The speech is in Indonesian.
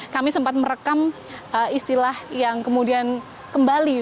kami sempat merekam istilah yang kemudian kembali